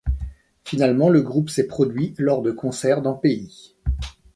Finalement, le groupe s'est produit lors de concerts dans pays.